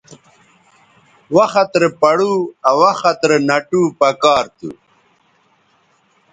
وخت رے پڑو آ وخت رے نَٹو پکار تھو